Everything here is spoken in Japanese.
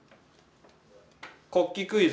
国旗クイズ。